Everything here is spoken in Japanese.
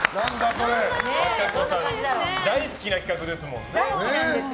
大好きな企画ですもんね。